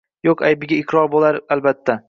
Yo’q aybiga iqror bo’lar, albatta